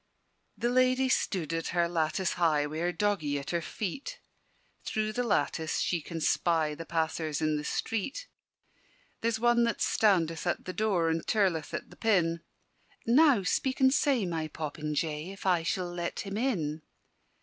The ladye she stood at her lattice high, Wi' her doggie at her feet; Thorough the lattice she can spy The passers in the street. "There's one that standeth at the door, And tirleth at the pin: Now speak and say, my popinjay, If I sall let him in."